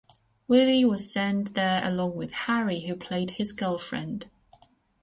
Willie was sent there along with Harry, who played his "girlfriend".